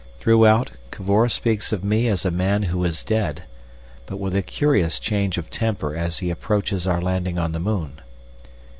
Throughout, Cavor speaks of me as a man who is dead, but with a curious change of temper as he approaches our landing on the moon.